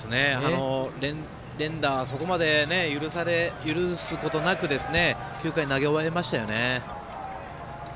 連打をそこまで許すことなく９回投げ終えましたよね。